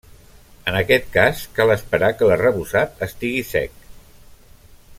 En aquest cas, cal esperar que l'arrebossat estigui sec.